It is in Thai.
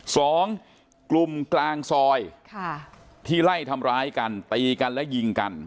สองกลุ่มกลางซอยค่ะที่ไล่ทำร้ายกันตีกันและยิงกัน